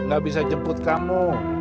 gak bisa jemput kamu